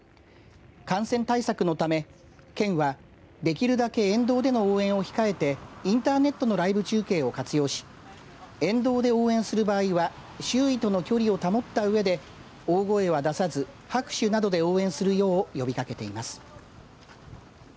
感染対策のため県は、できるだけ沿道での応援を控えてインターネットのライブ中継を活用し沿道で応援する場合は周囲との距離を保ったうえで大声は出さず、拍手などで応援するよう呼びかけています。